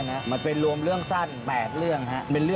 ร้านหนังสือแมว